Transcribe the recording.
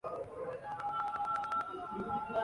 منسلک خون کے خلیوں کی قلت کا علاج کرنے میں مدد کر سکتا ہے